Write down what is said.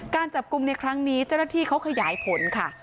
การจับกลุ่มในครั้งนี้เจ้าหน้าที่เขาขยายผลค่ะ